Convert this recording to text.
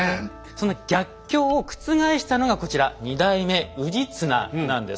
そんな逆境を覆したのがこちら２代目氏綱なんです。